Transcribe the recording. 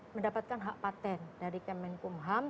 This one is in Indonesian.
mendapatkan hak patent dari kemenkumham